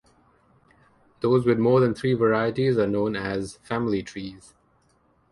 Those with more than three varieties are known as 'family trees'.